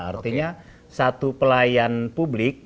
artinya satu pelayan publik